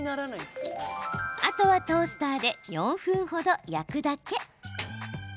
あとはトースターで４分程焼くだけ。